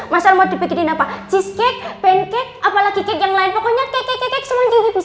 mas al mau dibikinin apa cheesecake pancake apalagi cake yang lain pokoknya cake cake cake semuanya